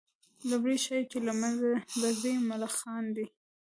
لومړى شى چي له منځه به ځي ملخان دي